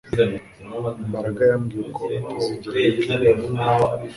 Mbaraga yambwiye ko atazigera abibwira umuntu